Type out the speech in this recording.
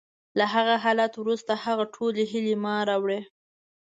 له هغه حالت وروسته، هغه ټولې هیلې ما راوړې